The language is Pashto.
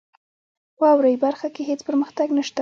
واورئ برخه کې هیڅ پرمختګ نشته .